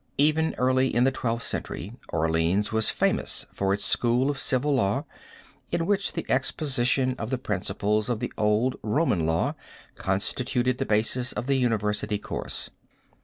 Even early in the Twelfth Century Orleans was famous for its school of civil law in which the exposition of the principles of the old Roman law constituted the basis of the university course.